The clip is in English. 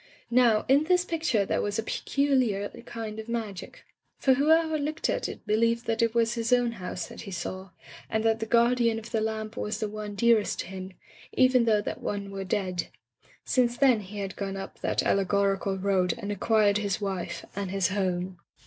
Now, in this picture there was a peculiar kind of magic, for whoever looked at it believed that it was his own house that he saw, and that the guardian of the lamp was the one dearest to him, even though that one were dead. Since then he had gone up that allegorical road and acquired his wife and his home.